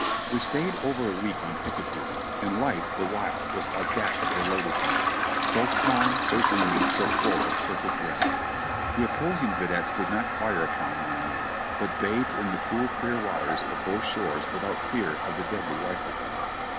We stayed over a week on picket duty, and life the while was like that of the lotus eater : so calm, so dreamy, so full of perfect rest. The opposing videttes did not fire upon one another, but bathed in the cool, clear waters of both shores without fear of the deadly rifie ball.